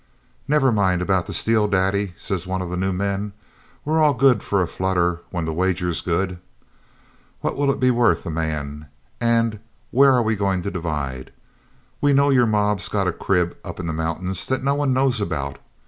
'Never mind about the steel, daddy,' says one of the new men. 'We're all good for a flutter when the wager's good. What'll it be worth a man, and where are we going to divide? We know your mob's got some crib up in the mountains that no one knows about.